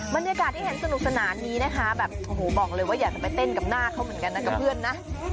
บรรยากาศที่เห็นสนุกสนานนี้นะคะแบบโอ้โหบอกเลยว่าอยากจะไปเต้นกับหน้าเขาเหมือนกันนะกับเพื่อนนะ